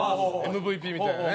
ＭＶＰみたいなね。